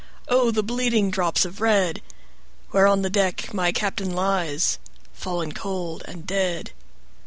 5 O the bleeding drops of red! Where on the deck my Captain lies, Fallen cold and dead.